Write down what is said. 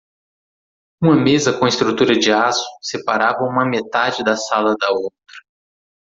Uma mesa com estrutura de aço separava uma metade da sala da outra.